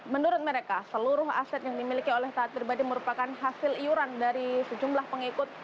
menurut mereka seluruh aset yang dimiliki oleh taat pribadi merupakan hasil iuran dari sejumlah pengikut